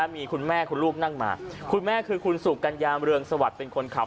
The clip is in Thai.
มีคุณแม่คุณลูกนั่งมาคุณแม่คือคุณสุกัญญาเมืองสวัสดิ์เป็นคนขับ